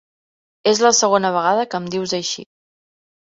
És la segona vegada que em dius així.